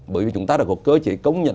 bởi vì chúng ta đã có cơ chế công nhận